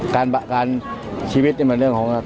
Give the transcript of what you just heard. ตราบใดที่ตนยังเป็นนายกอยู่